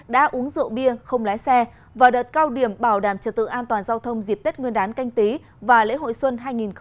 đã uống rượu bia không lái xe và đợt cao điểm bảo đảm trật tự an toàn giao thông dịp tết nguyên đán canh tí và lễ hội xuân hai nghìn hai mươi